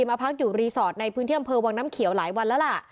มาพักอยู่รีสอร์ทในพื้นที่อำเภอวังน้ำเขียวหลายวันแล้วล่ะ